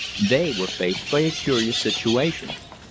They were faced by a curious situation.